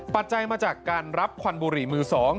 ปัจจัยมาจากการรับควันบุหรี่มือ๒